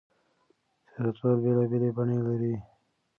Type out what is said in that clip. سياستوال بېلابېلې بڼې لري.